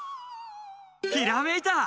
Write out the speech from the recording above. ひらめいた！